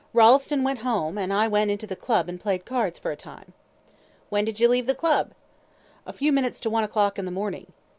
"Rolleston went home, and I went into the Club and played cards for a time." "When did you leave the Club?" "A few minutes to one o'clock in the morning."